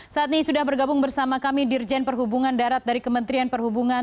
saat ini sudah bergabung bersama kami dirjen perhubungan darat dari kementerian perhubungan